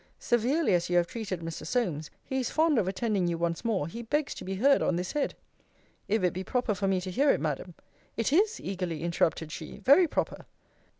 Severely as you have treated Mr. Solmes, he is fond of attending you once more: he begs to be heard on this head. If it be proper for me to hear it, Madam It is, eagerly interrupted she, very proper.